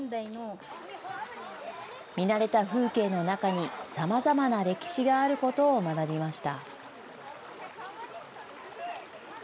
見慣れた風景の中にさまざまな歴史があることを学びました。